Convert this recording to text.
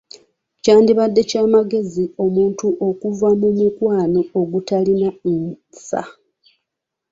Kyandibadde kya magezi omuntu okuva mu mukwano ogutaliimu nsa.